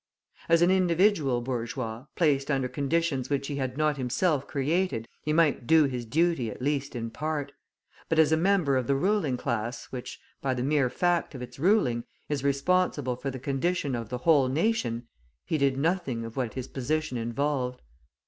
As an individual bourgeois, placed under conditions which he had not himself created, he might do his duty at least in part; but, as a member of the ruling class, which, by the mere fact of its ruling, is responsible for the condition of the whole nation, he did nothing of what his position involved.